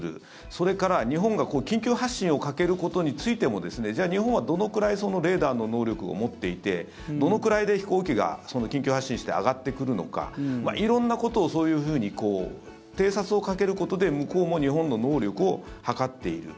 それから日本が緊急発進をかけることについてもじゃあ日本はどのくらいレーダーの能力を持っていてどのくらいで飛行機が緊急発進して上がってくるのか色んなことをそういうふうに偵察をかけることで向こうも日本の能力を測っている。